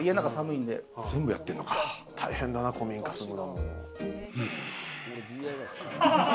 大変だな、古民家住むの。